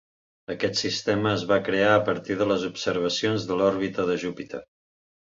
Aquest sistema es va crear a partir de les observacions de l'òrbita de Júpiter.